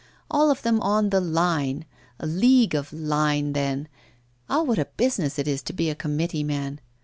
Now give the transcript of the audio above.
All of them on the "line"! leagues of "line" then! Ah! what a business it is to be a committee man!